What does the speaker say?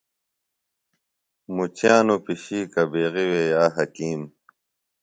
مُچِیانوۡ پِشیکہ بیغیۡ وے یا حکیم۔